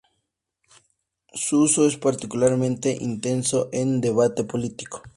Su uso es particularmente intenso en el debate político.